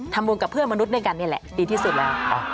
ทำบุญกับเพื่อนมนุษย์ด้วยกันนี่แหละดีที่สุดแล้ว